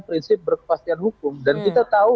prinsip berkepastian hukum dan kita tahu